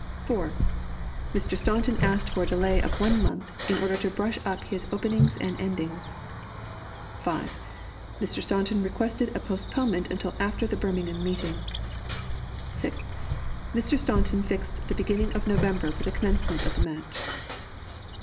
4. Mr. Staunton asked for a delay of one month, in order to brush up his openings and endings. 5. Mr. Staunton requested a postponement until after the Birmingham meeting. 6. Mr. Staunton fixed the beginning of November for the commencement of the match.